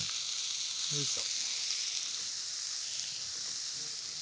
よいしょ。